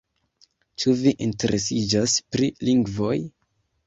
Ĉu vi interesiĝas pri lingvoj?